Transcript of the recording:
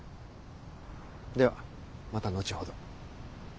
ではまた後ほど。